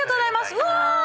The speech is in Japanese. うわ！